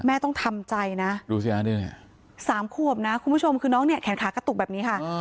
ต้องทำใจนะดูสิฮะสามขวบนะคุณผู้ชมคือน้องเนี่ยแขนขากระตุกแบบนี้ค่ะ